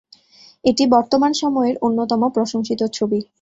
এটি বর্তমান সময়ের অন্যতম প্রশংসিত ছবি।